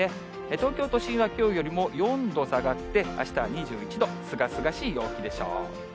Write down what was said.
東京都心はきょうよりも４度下がって、あしたは２１度、すがすがしい陽気でしょう。